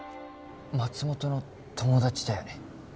松本の友達だよね？